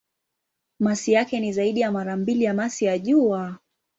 Masi yake ni zaidi ya mara mbili ya masi ya Jua.